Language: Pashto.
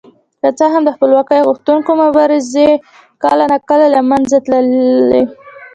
که څه هم د خپلواکۍ غوښتونکو مبارزې کله ناکله له منځه تللې.